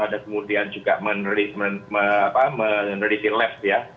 ada kemudian juga meneriti lef ya